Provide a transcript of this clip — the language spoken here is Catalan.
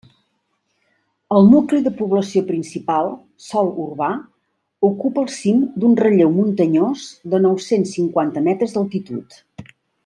El nucli de població principal, sòl urbà, ocupa el cim d'un relleu muntanyós de nou-cents cinquanta metres d'altitud.